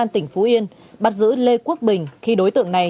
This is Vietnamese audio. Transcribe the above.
tuyên bố bị cáo lê quốc bình phạm tội